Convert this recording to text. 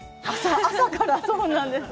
朝から、そうなんです。